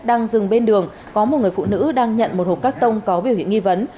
đang dừng bên đường có một người phụ nữ đang nhận một hộp cắt tông có biểu hiện nghi vấn